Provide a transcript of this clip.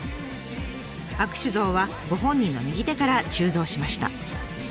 握手像はご本人の右手から鋳造しました。